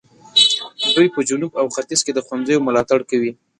دوی په جنوب او ختیځ کې د ښوونځیو ملاتړ کوي.